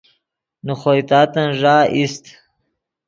نے خوئے تاتن ݱا ایست